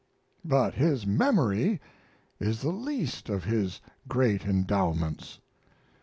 But his memory is the least of his great endowments.